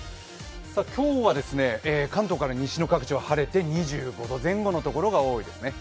今日は関東から西の各地は晴れて２５度前後のところが多いですね。